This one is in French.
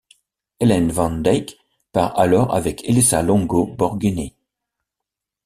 Ellen van Dijk part alors avec Elisa Longo Borghini.